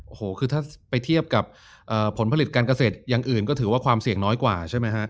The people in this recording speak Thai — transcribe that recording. โอ้โหคือถ้าไปเทียบกับผลผลิตการเกษตรอย่างอื่นก็ถือว่าความเสี่ยงน้อยกว่าใช่ไหมฮะ